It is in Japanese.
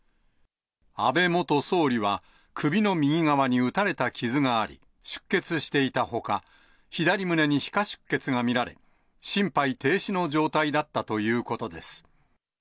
安倍元総理は、首の右側に撃たれた傷があり、出血していたほか、左胸に皮下出血が見られ、心肺停止の状態だったということです。